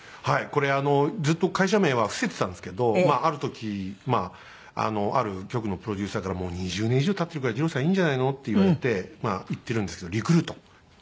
これあのずっと会社名は伏せてたんですけどまあある時ある局のプロデューサーから「もう２０年以上経ってるから二朗さんいいんじゃないの？」って言われてまあ言ってるんですけどリクルート。